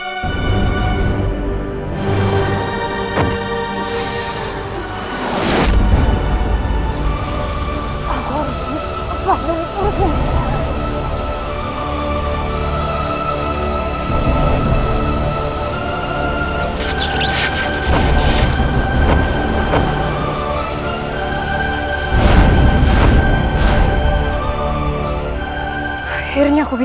apa yang terjadi